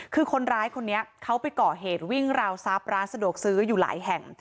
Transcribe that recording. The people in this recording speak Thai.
คือคนร้ายคนนี้เขาไปก่อเหตุวิ่งราวทรัพย์ร้านสะดวกซื้ออยู่หลายแห่ง